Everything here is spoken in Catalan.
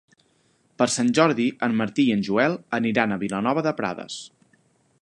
Per Sant Jordi en Martí i en Joel aniran a Vilanova de Prades.